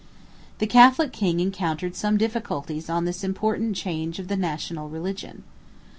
132 The Catholic king encountered some difficulties on this important change of the national religion.